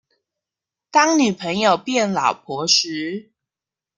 當女朋友變老婆時